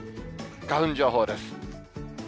花粉情報です。